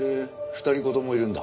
２人子供いるんだ。